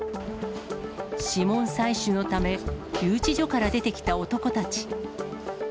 指紋採取のため、留置所から出てきた男たち。